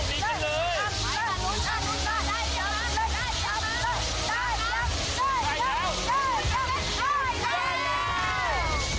ได้แล้ว